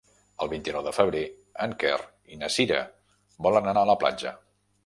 El vint-i-nou de febrer en Quer i na Cira volen anar a la platja.